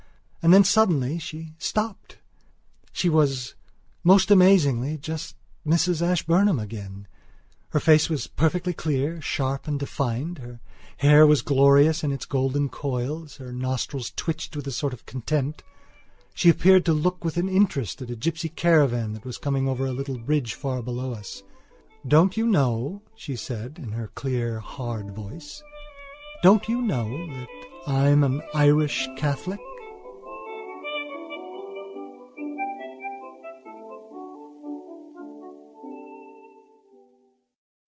And then suddenly she stopped. She was, most amazingly, just Mrs Ashburnham again. Her face was perfectly clear, sharp and defined; her hair was glorious in its golden coils. Her nostrils twitched with a sort of contempt. She appeared to look with interest at a gypsy caravan that was coming over a little bridge far below us. "Don't you know," she said, in her clear hard voice, "don't you know that I'm an Irish Catholic?"